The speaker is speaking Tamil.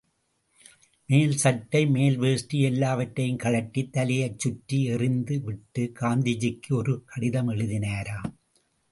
மேல் சட்டை, மேல் வேஷ்டி எல்லாவற்றையும் கழற்றித் தலையைச் சுற்றி எறிந்து விட்டு, காந்திஜிக்கு ஒரு கடிதம் எழுதினாராம்.